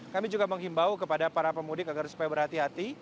kami juga menghimbau kepada para pemudik agar supaya berhati hati